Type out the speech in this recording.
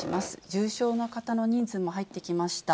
重症の方の人数も入ってきました。